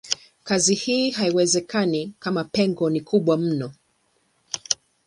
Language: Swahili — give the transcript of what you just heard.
Kazi hii haiwezekani kama pengo ni kubwa mno.